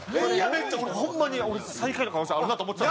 俺ホンマに最下位の可能性あるなと思ってた。